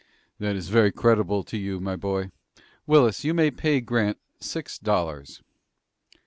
"That is very creditable to you, my boy. Willis, you may pay Grant six dollars."